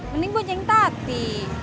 mending bojengin tati